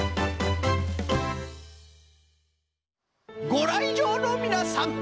ごらいじょうのみなさん